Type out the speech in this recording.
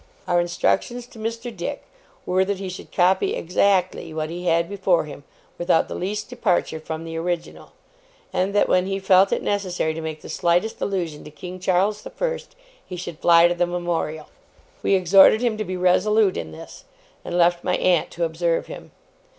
Our instructions to Mr. Dick were that he should copy exactly what he had before him, without the least departure from the original; and that when he felt it necessary to make the slightest allusion to King Charles the First, he should fly to the Memorial. We exhorted him to be resolute in this, and left my aunt to observe him.